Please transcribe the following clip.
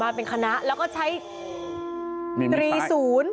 เป็นคณะแล้วก็ใช้ตรีศูนย์